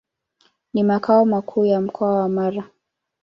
Ni makao makuu ya Mkoa wa Mara.